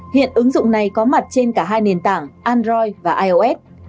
hiện ứng dụng này có mặt trên cả hai nền tảng android và ios